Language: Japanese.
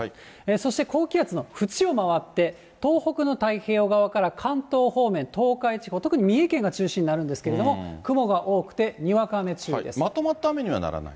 そして高気圧の縁を回って、東北の太平洋側から関東方面、東海地方、特に三重県が中心になるんですけれども、雲が多くて、にわか雨注まとまった雨にはならない？